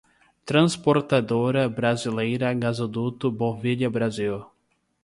Transportadora Brasileira Gasoduto Bolívia‐Brasil